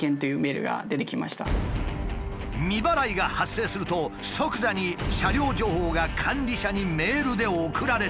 未払いが発生すると即座に車両情報が管理者にメールで送られてくる。